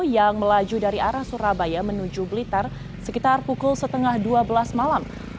yang melaju dari arah surabaya menuju blitar sekitar pukul setengah dua belas malam